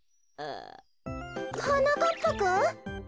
はなかっぱくん？